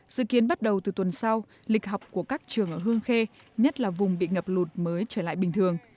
dự kiến bắt đầu từ tuần sau lịch học của các trường ở hương khê nhất là vùng bị ngập lụt mới trở lại bình thường